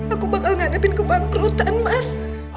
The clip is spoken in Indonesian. aku bakal ngadepin kebangkrutan mas